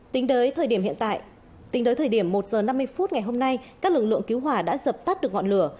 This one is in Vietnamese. tính tới thời điểm hiện tại tính đến thời điểm một h năm mươi phút ngày hôm nay các lực lượng cứu hỏa đã dập tắt được ngọn lửa